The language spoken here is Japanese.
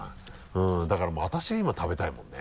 だからもう私が今食べたいもんね。